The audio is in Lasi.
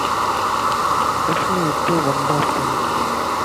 اسين اتي ونداسين